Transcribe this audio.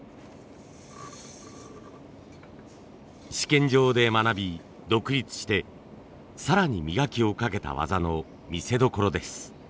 試験場で学び独立して更に磨きをかけた技の見せどころです。